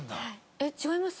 えっ違います？